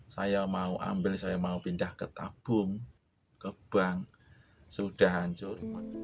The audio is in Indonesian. saya mau ambil saya mau pindah ke tabung ke bank sudah hancur